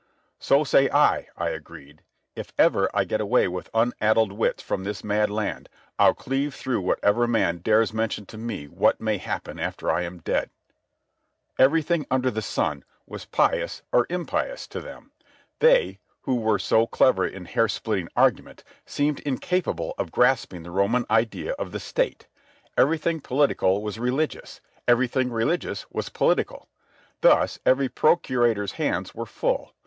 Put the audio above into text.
"So say I," I agreed. "If ever I get away with unaddled wits from this mad land, I'll cleave through whatever man dares mention to me what may happen after I am dead." Never were such trouble makers. Everything under the sun was pious or impious to them. They, who were so clever in hair splitting argument, seemed incapable of grasping the Roman idea of the State. Everything political was religious; everything religious was political. Thus every procurator's hands were full.